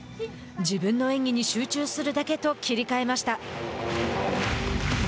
「自分の演技に集中するだけ」と切り替えました。